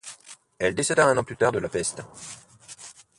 Elle décéda un an plus tard de la peste.